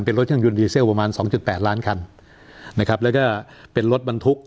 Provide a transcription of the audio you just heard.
เป็นรถเครื่องยนดีเซลประมาณสองจุดแปดล้านคันนะครับแล้วก็เป็นรถบรรทุก